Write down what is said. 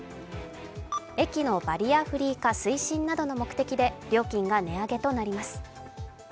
駅のバリアフリー化推進などの目的で料金が値上げとなります。